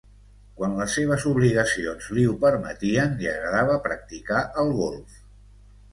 Quan les seves obligacions li ho permetien, li agradava practicar el golf.